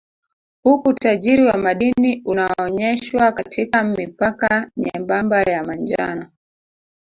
Huku utajiri wa madini unaonyeshwa katika mipaka nyembamba ya manjano